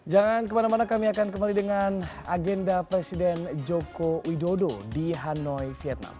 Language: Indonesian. jangan kemana mana kami akan kembali dengan agenda presiden joko widodo di hanoi vietnam